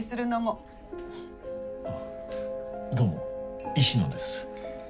あっどうも石野です。